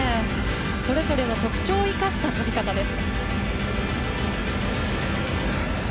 それぞれの特長を生かした飛び方です。